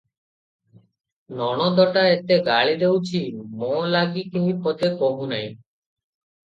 ନଣନ୍ଦଟା ଏତେ ଗାଳି ଦେଉଛି, ମୋ ଲାଗି କେହି ପଦେ କହୁ ନାହିଁ ।